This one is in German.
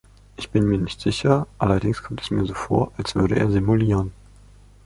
Ich bin mir nicht sicher, allerdings kommt es mir vor, als würde er simulieren.